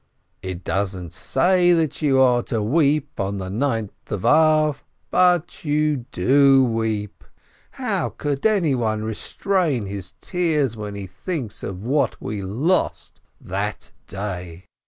"It doesn't say that you are to weep on the Ninth of Ab, but you do weep. How could anyone restrain his tears when he thinks of what we lost that day